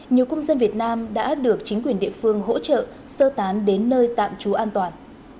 nhiều công dân việt nam đã được chính quyền địa phương hỗ trợ sơ tán đến nơi tạm trú an toàn